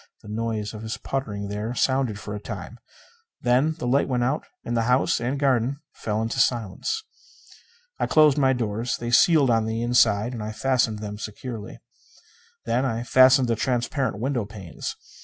The noise of his puttering there sounded for a time. Then the light went out and the house and garden fell into silence. I closed my doors. They sealed on the inside, and I fastened them securely. Then I fastened the transparent window panes.